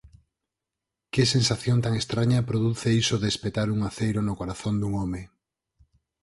Que sensación tan estraña produce iso de espetar un aceiro no corazón dun home.